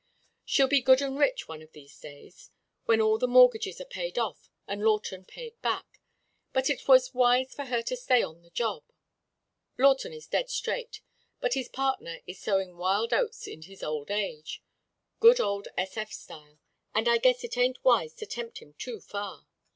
She'll be good and rich one of these days, when all the mortgages are paid off and Lawton paid back, but it was wise for her to stay on the job. Lawton is dead straight, but his partner is sowing wild oats in his old age good old S.F. style, and I guess it ain't wise to tempt him too far.